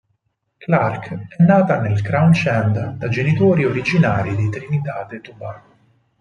Clarke è nata nel Crouch End da genitori originari di Trinidad e Tobago.